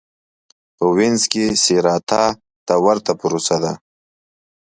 په وینز کې سېراتا ته ورته پروسه وه.